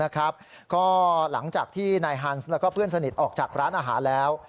ก็หลังจากที่นายฮันส์แล้วก็เพื่อนสนิทออกจากร้านอาหารแล้ว